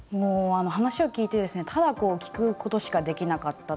話を聞いてですねただ聞くことしかできなかった。